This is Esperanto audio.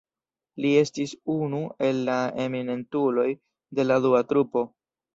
Li estis unu el la eminentuloj de la dua trupo.